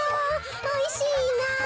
おいしいなっと。